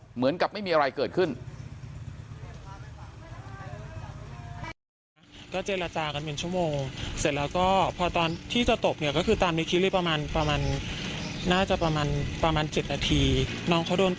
เหมือนกับไม่มีอะไรเกิดขึ้น